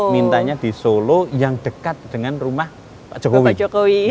mintanya di solo yang dekat dengan rumah pak jokowi